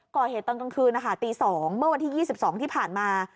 ก่อเหตุตอนกลางคืนนะคะตี๒เมื่อวันที่๒๒ที่ผ่านมา